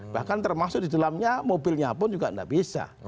bahkan termasuk di dalamnya mobilnya pun juga tidak bisa